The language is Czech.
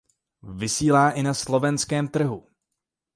Vysílá i na slovenském trhu.